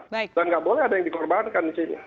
dan nggak boleh ada yang dikorbankan di sini